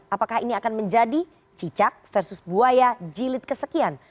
apakah ini akan menjadi cicak versus buaya jilid kesekian